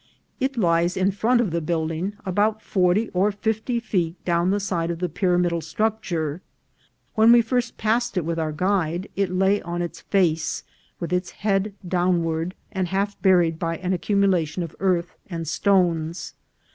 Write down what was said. It lies in front of the building, about forty or fifty feet down the side of the pyramidal struc ture. When we first passed it with our guide it lay on its face, with its head downward, and half buried by an accumulation of earth and stones.